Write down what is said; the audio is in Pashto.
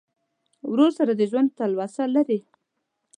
ورور سره د ژوند تلوسه لرې.